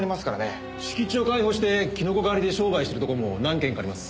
敷地を開放してキノコ狩りで商売してるところも何軒かあります。